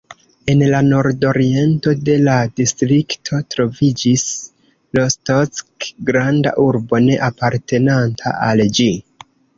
En la nordoriento de la distrikto troviĝis Rostock, granda urbo ne apartenanta al ĝi.